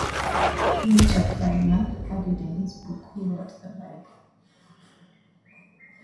Richard Friedman argued in his book Who Wrote the Bible?